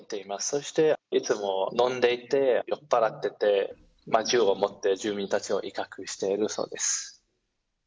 そして、いつも飲んでいて、酔っ払ってて、銃を持って、住民たちを威嚇しているそうです。